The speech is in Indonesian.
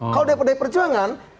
kalau dari pdi perjuangan